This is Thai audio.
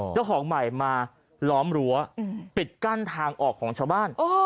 เจ้าของใหม่มาล้อมรั้วปิดกั้นทางออกของชาวบ้าน